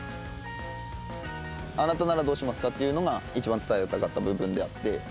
あなたならどうしますかっていうのが一番伝えたかった部分であって。